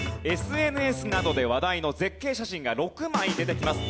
ＳＮＳなどで話題の絶景写真が６枚出てきます。